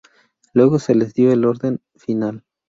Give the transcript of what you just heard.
Luego se les dio el orden final.